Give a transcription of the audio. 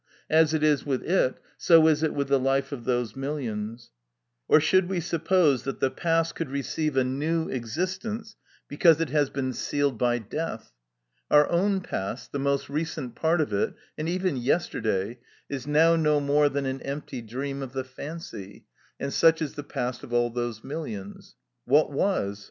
As it is with it, so is it with the life of those millions. Or should we suppose that the past could receive a new existence because it has been sealed by death? Our own past, the most recent part of it, and even yesterday, is now no more than an empty dream of the fancy, and such is the past of all those millions. What was?